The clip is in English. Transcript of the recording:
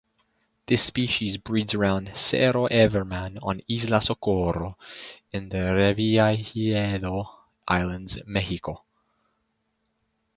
This species breeds around Cerro Evermann on Isla Socorro in the Revillagigedo Islands, Mexico.